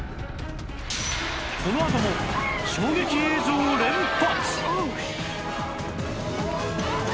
このあとも衝撃映像連発！